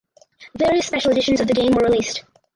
Various special editions of the game were released.